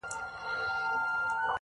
ښاا ځې نو,